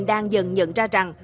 đang dần nhận ra rằng